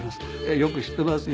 「よく知っていますよ。